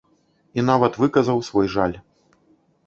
І нават выказаў свой жаль.